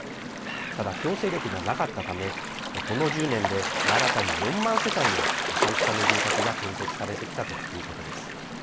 ただ、強制力がなかったためこの１０年で新たに４万世帯の半地下の住宅が建設されてきたということです。